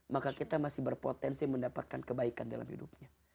maka kita masih berpotensi mendapatkan kebaikan dalam hidupnya